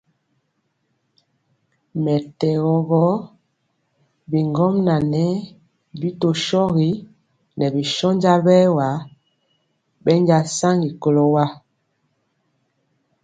Mɛtɛgɔ gɔ, bigɔmŋa ŋɛɛ bi tɔ shogi ŋɛɛ bi shónja bɛɛwa bɛnja saŋgi kɔlo wa.